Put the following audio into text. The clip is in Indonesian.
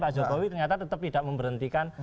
pak jokowi ternyata tetap tidak memberhentikan